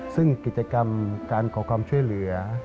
ซึ่งกิจกรรมการขอความช่วยเหลือ